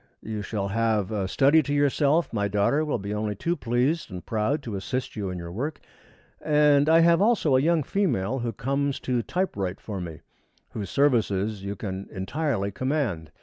You shall have a study to yourself, my daughter will be only too pleased and proud to assist you in your work, and I have also a young female who comes to type write for me, whose services you can entirely command.